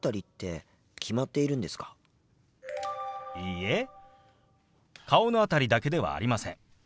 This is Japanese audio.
いいえ顔の辺りだけではありません。